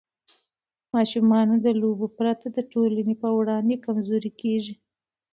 ماشومان له لوبو پرته د ټولنې په وړاندې کمزوري کېږي.